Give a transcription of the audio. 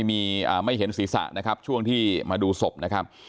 ไม่เห็นศีรษะนะครับช่วงที่มาดูศพนะครับ